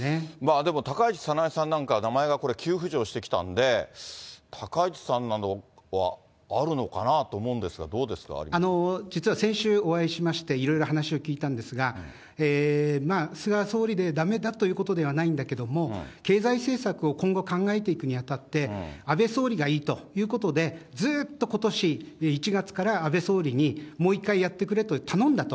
でも高市早苗さんなんかは、名前が急浮上してきたんで、高市さんなどはあるのかなと思うんですが、どうですか、実は先週、お会いしまして、いろいろ話を聞いたんですが、菅総理でだめだということではないんだけども、経済政策を今後、考えていくにあたって、安倍総理がいいということで、ずっとことし１月から安倍総理に、もう一回やってくれと頼んだと。